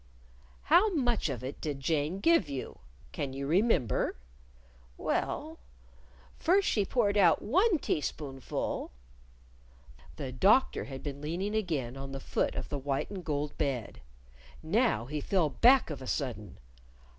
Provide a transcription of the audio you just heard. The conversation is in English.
"How much of it did Jane give you? Can you remember?" "Well, first she poured out one teaspoonful " The Doctor had been leaning again on the foot of the white and gold bed. Now he fell back of a sudden.